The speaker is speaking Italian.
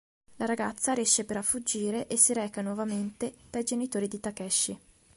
La ragazza riesce però a fuggire e si reca nuovamente dai genitori di Takeshi.